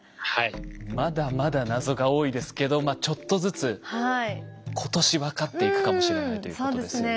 まだまだ謎が多いですけどちょっとずつ今年分かっていくかもしれないということですよね。